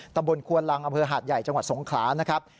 ตะบนควรรังอเภอหาดใหญ่จังหวัดสงขรานะครับ